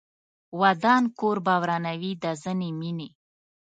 ودان کور به ورانوي دا ځینې مینې